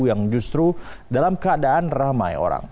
yang justru dalam keadaan ramai orang